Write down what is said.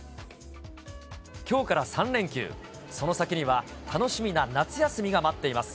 きょうから３連休、その先には楽しみな夏休みが待っています。